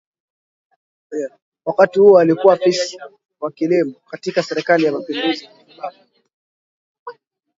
Wakati huo alikuwa afisa wa Kilimo katika serikali ya mapinduzi ya Zanzibar